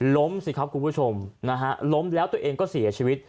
สิครับคุณผู้ชมนะฮะล้มแล้วตัวเองก็เสียชีวิต